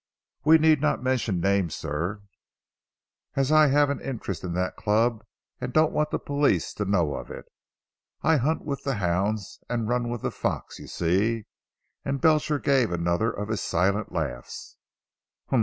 We need not mention names sir, as I have an interest in that club and don't want the police to know of it. I hunt with the hounds and run with the fox you see," and Belcher gave another of his silent laughs. "Humph!"